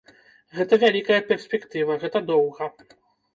Гэта вялікая перспектыва, гэта доўга.